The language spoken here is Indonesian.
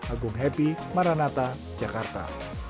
agung happy maranata jakarta